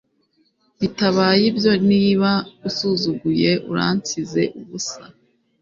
Bitabaye ibyo niba usuzuguye uransize ubusa